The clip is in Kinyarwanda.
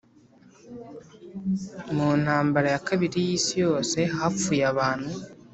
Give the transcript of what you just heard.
Mu Ntambara ya Kabiri y Isi Yose hapfuye abantu